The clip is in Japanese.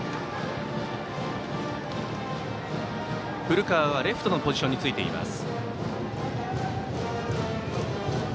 古川はレフトのポジションについています。